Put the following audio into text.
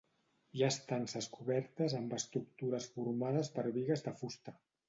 Hi ha estances cobertes amb estructures formades per bigues de fusta.